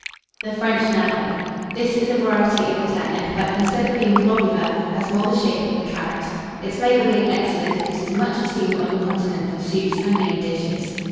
THE FRENCH NAVET. This is a variety of the turnip; but, instead of being globular, has more the shape of the carrot. Its flavour being excellent, it is much esteemed on the Continent for soups and made dishes.